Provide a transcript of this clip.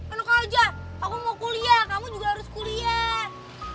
anak aja aku mau kuliah kamu juga harus kuliah